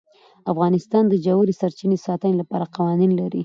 افغانستان د ژورې سرچینې د ساتنې لپاره قوانین لري.